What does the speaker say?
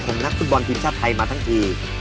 นักฟุตบอลทีมชาติไทยมาทั้งที